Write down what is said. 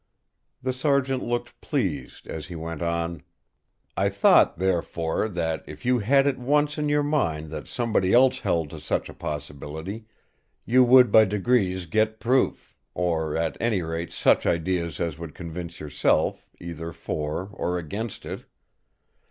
The Sergeant looked pleased as he went on: "I thought, therefore, that if you had it once in your mind that somebody else held to such a possibility, you would by degrees get proof; or at any rate such ideas as would convince yourself, either for or against it.